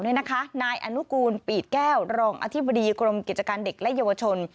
นายอนุกูลปีดแก้วรองอธิบดีกรมกิจการเด็กและเยาวชน